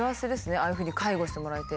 ああいうふうに介護してもらえて。